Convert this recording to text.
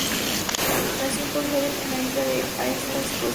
Nació en Port Ellen, en la isla de Islay, Escocia.